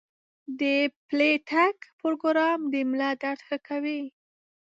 د پلي تګ پروګرام د ملا درد ښه کوي.